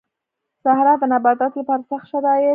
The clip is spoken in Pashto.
صحرا د نباتاتو لپاره سخت شرايط